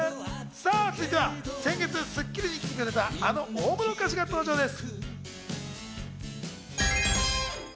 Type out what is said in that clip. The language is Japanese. さぁ続いては先月『スッキリ』に来てくれた、あの大物歌手が登場です。